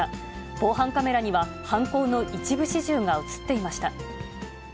防犯カメラには犯行の一部始終が写っていました。